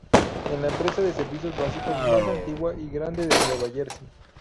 Es la empresa de servicios básicos más antigua y grande de Nueva Jersey.